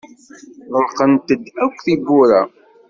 Ɣelqent-d akk tewwura.